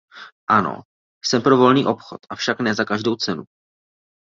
Ano, jsem pro volný obchod, avšak ne za každou cenu!